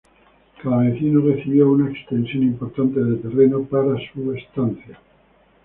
Cada vecino recibió una extensión importante de terreno para su estancia.